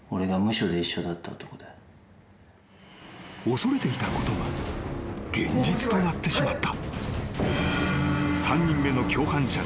［恐れていたことが現実となってしまった］